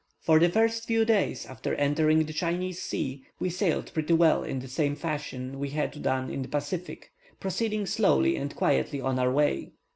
For the first few days after entering the Chinese sea, we sailed pretty well in the same fashion we had done in the Pacific proceeding slowly and quietly on our way.